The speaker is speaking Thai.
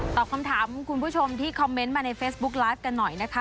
ตอบคำถามคุณผู้ชมที่คอมเมนต์มาในเฟซบุ๊กไลฟ์กันหน่อยนะคะ